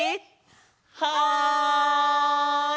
はい！